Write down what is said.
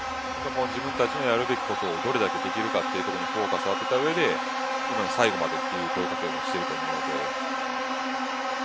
自分たちのやるべきことをどれだけできるかということにフォーカスを当てた上で最後まで、という声掛けをしているので。